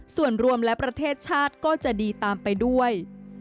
ส่วนรวมและประเทศชาติก็จะดีตามไปด้วย